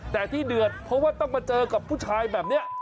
แต่ที่เดือดเพราะว่าต้องมาเจอกับผู้ชายแบบนี้